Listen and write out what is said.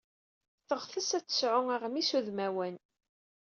Teɣtes ad tesɛu aɣmis udmawan.